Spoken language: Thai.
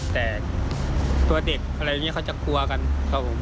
แต่ตัวเด็กอะไรอย่างนี้เขาจะกลัวกันครับผม